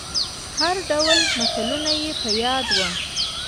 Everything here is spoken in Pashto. هر ډول متلونه يې په ياد وو.